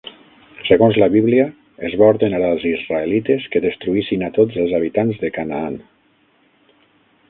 Segons la Bíblia, es va ordenar als israelites que destruïssin a tots els habitants de Canaan.